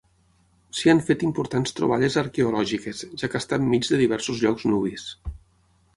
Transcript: S'hi han fet importants troballes arqueològiques, ja que està enmig de diversos llocs nubis.